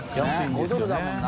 ５ドルだもんな。